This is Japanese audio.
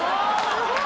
すごい！